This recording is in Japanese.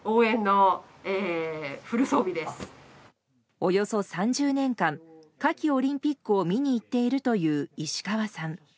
およそ３０年間夏季オリンピックを見に行っているという石川さん。